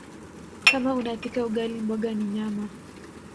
Kama unapika ugali mboga ni nyama